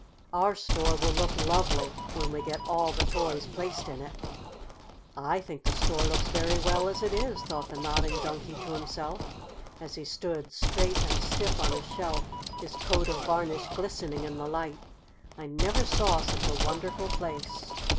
"Our store will look lovely when we get all the toys placed in it." "I think the store looks very well as it is," thought the Nodding Donkey to himself, as he stood straight and stiff on his shelf, his coat of varnish glistening in the light. "I never saw such a wonderful place."